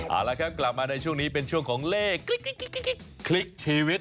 อ่าแล้วครับกลับมาในช่วงนี้เป็นช่วงของเลขคลิกคลิกคลิกคลิกคลิกคลิกชีวิต